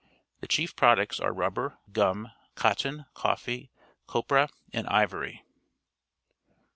The chief products are rubber, gum, cotton, coffee, copra, and ivory.